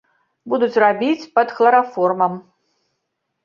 Будуць рабіць пад хлараформам.